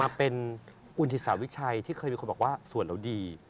มาเป็นอุณถิศาวิชัยที่เคยบอกว่าสวดเราดี